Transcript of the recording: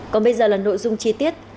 còn bây giờ là nội dung chi tiết